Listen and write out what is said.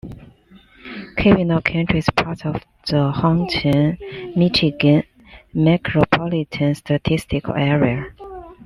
Keweenaw County is part of the Houghton, Michigan, Micropolitan Statistical Area.